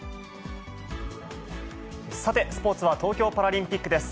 さて、スポーツは東京パラリンピックです。